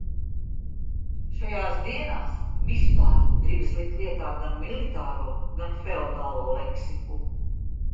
Šajās dienās vispār gribas likt lietā gan militāro, gan feodālo leksiku.